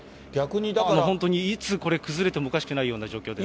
本当にいつこれが崩れてもおかしくないような状況です。